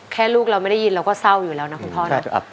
ลูกเราไม่ได้ยินเราก็เศร้าอยู่แล้วนะคุณพ่อนะ